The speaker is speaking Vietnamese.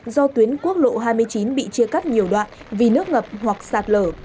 do tuyến quốc lộ hai mươi chín bị chia cắt nhiều đoạn vì nước ngập hoặc sạt lở